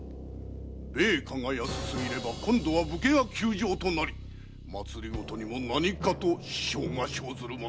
米価が安すぎれば今度は武家が窮状となり政にも何かと支障が生ずるものかと思われまする。